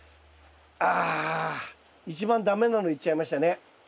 あ一番駄目なのいっちゃいましたね。